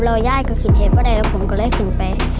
เราย่ายก็ขึ้นเหตุก็ได้แล้วผมก็เลยขึ้นไป